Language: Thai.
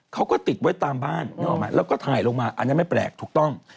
เขาก็ติดไว้ตามบ้านนึกออกไหมแล้วก็ถ่ายลงมาอันนั้นไม่แปลกถูกต้อง